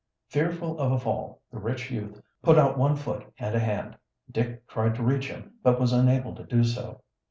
Fearful of a fall, the rich youth put out one foot and a hand. Dick tried to reach him, but was unable to do so.